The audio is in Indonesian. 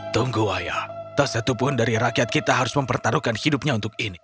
tunggu ayah tak satupun dari rakyat kita harus mempertaruhkan hidupnya untuk ini